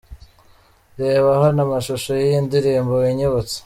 Reba hano amashusho y'iyi ndirimbo 'Winyibutsa'.